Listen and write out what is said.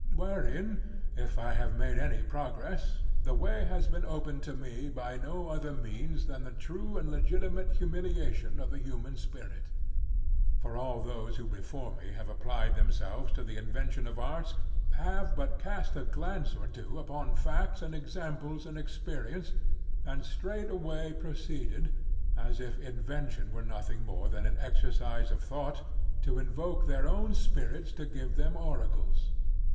Wherein if I have made any progress, the way has been opened to me by no other means than the true and legitimate humiliation of the human spirit. For all those who before me have applied themselves to the invention of arts have but cast a glance or two upon facts and examples and experience, and straightway proceeded, as if invention were nothing more than an exercise of thought, to invoke their own spirits to give them oracles.